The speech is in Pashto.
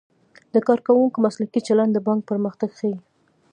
د کارکوونکو مسلکي چلند د بانک پرمختګ ښيي.